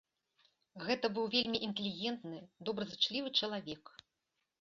Гэта быў вельмі інтэлігентны, добразычлівы чалавек.